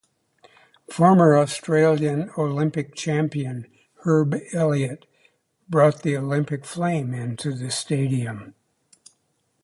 Former Australian Olympic champion Herb Elliott brought the Olympic Flame into the stadium.